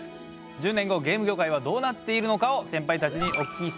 １０年後ゲーム業界はどうなっているのかをセンパイたちにお聞きしていきたいと思います。